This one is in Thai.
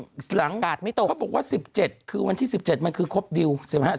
เรื่องหลังเขาบอกว่า๑๗คือวันที่๑๗มันคือครบดีล๑๕๑๗๑๘